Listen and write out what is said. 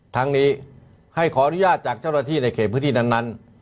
ทั้งนี้ให้ขออนุญาตจากเจ้าหน้าที่ในเขตพื้นที่นั้น